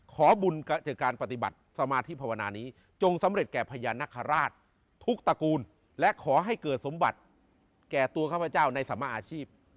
ขอบุญจากการปฏิบัติสมาธิภาวนานี้จงสำเร็จแก่พญานาคาราชทุกตระกูลและขอให้เกิดสมบัติแก่ตัวข้าพเจ้าในสัมมาอาชีพ